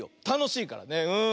たのしいからね。